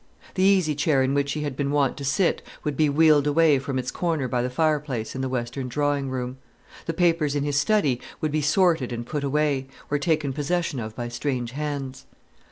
The easy chair in which he had been wont to sit would be wheeled away from its corner by the fireplace in the western drawing room. The papers in his study would be sorted and put away, or taken possession of by strange hands.